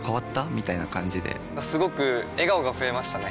みたいな感じですごく笑顔が増えましたね！